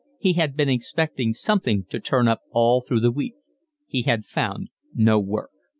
He had been expecting something to turn up all through the week. He had found no work.